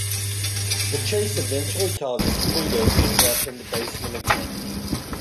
The chase eventually causes Pluto to end up in the basement again.